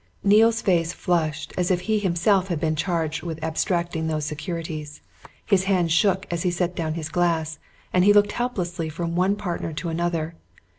Neale's face flushed as if he himself had been charged with abstracting those securities. His hand shook as he set down his glass, and he looked helplessly from one partner to another.